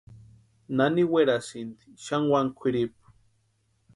Nani werasïnti xani wani kwʼiripu.